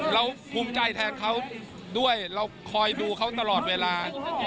ภูมิใจแทนเขาด้วยเราคอยดูเขาตลอดเวลา